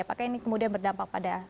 apakah ini kemudian berdampak pada